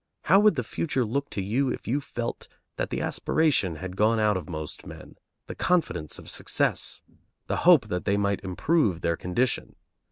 How would the future look to you if you felt that the aspiration had gone out of most men, the confidence of success, the hope that they might improve their condition?